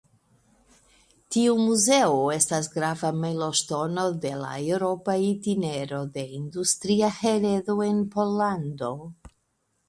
Tiu muzeo estas grava "mejloŝtono" de la Eŭropa Itinero de Industria Heredo en Pollando.